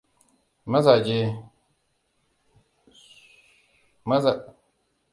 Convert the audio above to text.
Mazaje na iya zamowa jarumai idan har suka gujewa yin shirme.